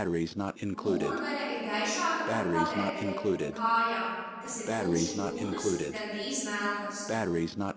Mugurdaļa ir gaišāka par pavēderi un kājām, kas ir tumši brūnas, gandrīz melnas.